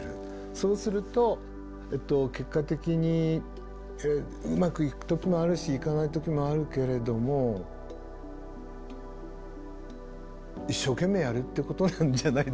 そうすると結果的にうまくいく時もあるしいかない時もあるけれども一生懸命やるってことなんじゃないですかね。